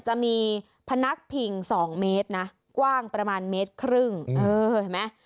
จะมีพนักผิง๒เมตรนะกว้างประมาณเมตรครึ่งเออเห็นไหม